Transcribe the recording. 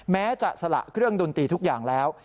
แม้จะสละเครื่องดนตรีทุกอย่างแล้ว